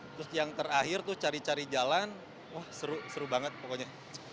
terus yang terakhir cari cari jalan seru banget pokoknya